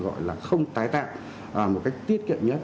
gọi là không tái tạo một cách tiết kiệm nhất